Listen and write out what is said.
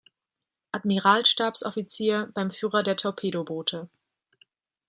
Admiralstabsoffizier beim Führer der Torpedoboote.